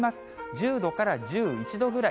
１０度から１１度ぐらい。